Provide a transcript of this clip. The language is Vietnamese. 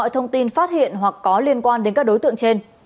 thông tin phát hiện hoặc có liên quan đến các đối tượng trên